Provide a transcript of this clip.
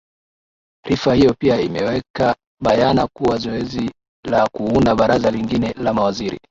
rifa hiyo pia imeweka bayana kuwa zoezi la kuunda baraza lingine la mawaziri